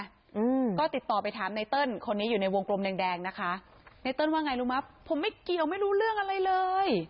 อืมก็ติดต่อไปถามไนเติ้ลคนนี้อยู่ในวงกลมแดงแดงนะคะไนเติ้ลว่าไงรู้ไหมผมไม่เกี่ยวไม่รู้เรื่องอะไรเลย